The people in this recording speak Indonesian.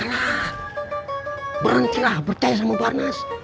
alah berhentilah bercaya sama barnas